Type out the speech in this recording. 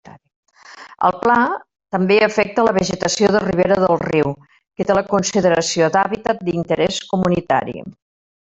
El Pla també afecta la vegetació de ribera del riu, que té la consideració d'hàbitat d'interès comunitari.